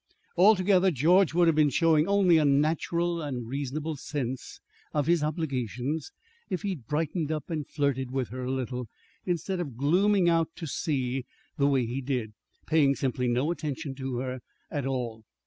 Altogether, George would have been showing only a natural and reasonable sense of his obligations if he'd brightened up and flirted with her a little, instead of glooming out to sea the way he did, paying simply no attention to her at all.